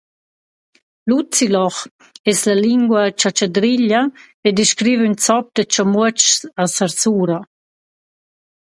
«Luziloch» es lingua chatschadriglia e descriva ün zop da chamuotschs a Sarsura.